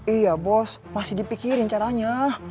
iya bos masih dipikirin caranya